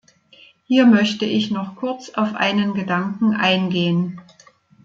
Hier möchte ich noch kurz auf einen Gedanken eingehen.